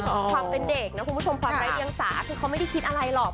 ความเป็นเด็กนะคุณผู้ชมความไร้เดียงสาคือเขาไม่ได้คิดอะไรหรอก